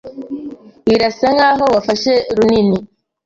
Birasa nkaho wafashe runini.